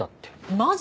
マジ？